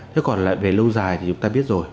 thế còn lại về lâu dài thì chúng ta biết rồi